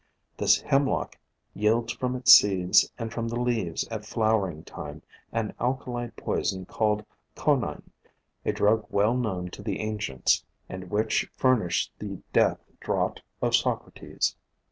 This Hemlock yields from its seeds and from the leaves at flowering time an alkaloid poison called conine, a drug well known to the ancients, and which furnished the death draught of Socrates.